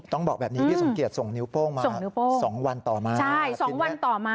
ต้องบอกแบบนี้พี่สงเกียจส่งนิ้วโป้งมา๒วันต่อมา